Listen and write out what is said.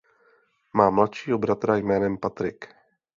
Má mladšího bratra jménem Patrick.